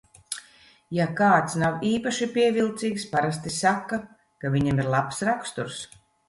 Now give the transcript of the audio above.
Ja kāds nav īpaši pievilcīgs, parasti saka, ka viņam ir labs raksturs.